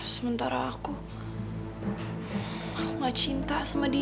sementara aku tidak cinta sama dia